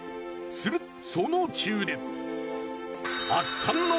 するとその道中で。